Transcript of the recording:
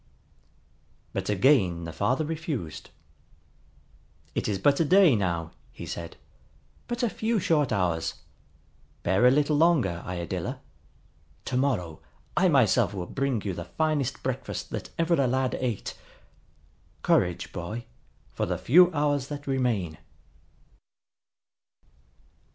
But again the father refused. "It is but a day now," he said, "but a few short hours. Bear a little longer, Iadilla. To morrow I myself will bring you the finest breakfast that ever a lad ate. Courage, boy, for the few hours that remain."